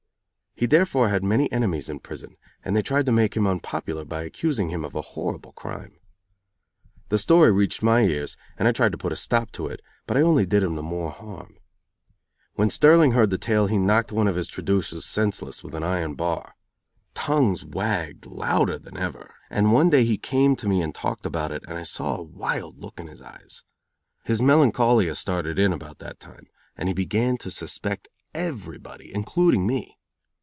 He therefore had many enemies in prison, and they tried to make him unpopular by accusing him of a horrible crime. The story reached my ears and I tried to put a stop to it, but I only did him the more harm. When Sterling heard the tale he knocked one of his traducers senseless with an iron bar. Tongues wagged louder than ever and one day he came to me and talked about it and I saw a wild look in his eyes. His melancholia started in about that time, and he began to suspect everybody, including me.